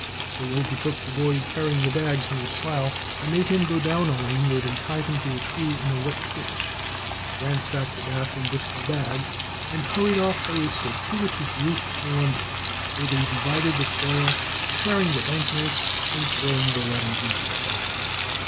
They overtook the boy carrying the bags near Slough, and made him go down a lane where they tied him to a tree in a wet ditch, ransacked the Bath and Bristol bags, and hurried off by a circuitous route to London, where they divided the spoil, sharing the bank notes and throwing the letters into the fire.